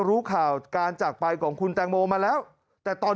รู้ข่าวการจากไปของคุณแตงโมมาแล้วแต่ตอน